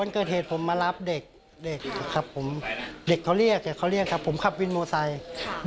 วันเกิดเหตุผมมารับเด็กครับผมเด็กเขาเรียกเด็กเขาเรียกครับผมขับวินโมไซค์